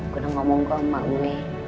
gue udah ngomong ke emak gue